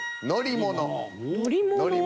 「乗り物」。